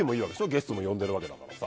ゲストも呼んでるわけだからさ。